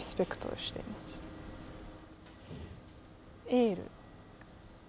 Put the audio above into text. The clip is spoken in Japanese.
エール。